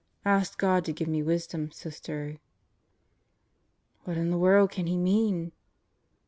Ask God to give me wisdom, Sister." "What in the world can he mean?"